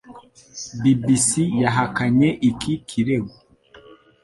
BBC yahakanye iki kirego,